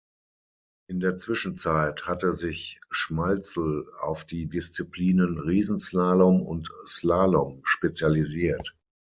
In der Zwischenzeit hatte sich Schmalzl auf die Disziplinen Riesenslalom und Slalom spezialisiert.